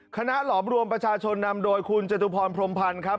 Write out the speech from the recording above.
หลอมรวมประชาชนนำโดยคุณจตุพรพรมพันธ์ครับ